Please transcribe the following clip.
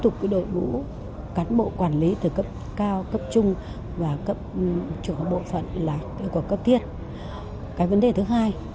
tục đội ngũ cán bộ quản lý từ cấp cao cấp trung và chủ hợp bộ phận là cấp thiết cái vấn đề thứ hai